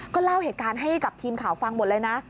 เล่าเหตุการณ์ให้กับทีมข่าวฟังหมดเลยนะ